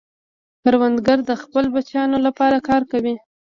کروندګر د خپلو بچیانو لپاره کار کوي